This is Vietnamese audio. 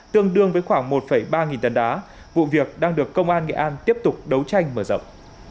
tương đương với khoảng một ba nghìn tấn đá vụ việc đang được công an nghệ an tiếp tục đấu tranh mở rộng